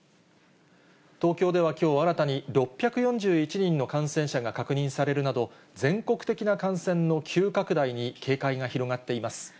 東京では、きょう新たに６４１人の感染者が確認されるなど、全国的な感染の急拡大に警戒が広がっています。